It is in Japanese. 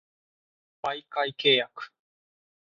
媒介契約